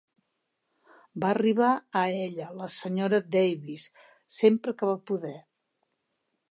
Va arribar a ella, la senyora Dawes, sempre que va poder.